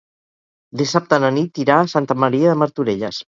Dissabte na Nit irà a Santa Maria de Martorelles.